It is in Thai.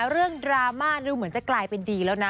ดราม่าดูเหมือนจะกลายเป็นดีแล้วนะ